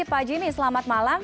pak jimmy selamat malam